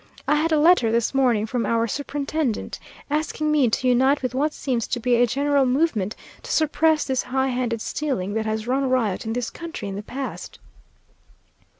I had a letter this morning from our superintendent, asking me to unite with what seems to be a general movement to suppress this high handed stealing that has run riot in this county in the past.